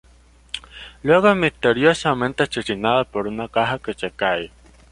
Luego es misteriosamente asesinado por una caja que se cae.